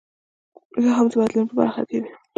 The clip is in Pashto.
یا هم د بدلون په برخه کې وي.